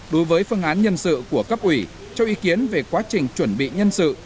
đối với phương án nhân sự của cấp ủy cho ý kiến về quá trình chuẩn bị nhân sự